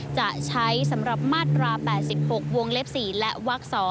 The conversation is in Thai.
จะใช้สำหรับมาตรา๘๖วงเล็บ๔และวัก๒